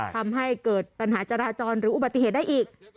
ทำให้เกิดปัญหาจราจรหรืออุบัติเหตุได้อีก